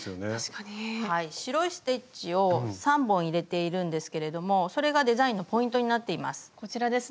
白いステッチを３本入れているんですけれどもそれがデザインのポイントになっています。